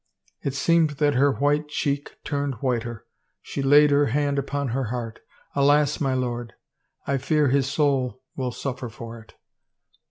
It seemed that her white cheek turned whiter. She laid her hand upon her heart. " Alas, my lord, I fear his soul will suffer for it."